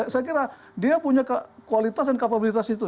saya kira dia punya kualitas dan kapabilitas itu